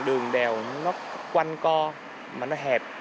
đường đèo nó quanh co mà nó hẹp